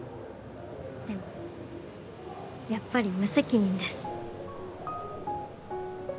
でもやっぱり無責任です。